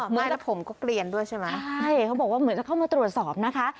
ไม่แล้วผมก็เกลียนด้วยใช่ไหมใช่เขาบอกว่าเหมือนจะเข้ามาตรวจสอบนะคะ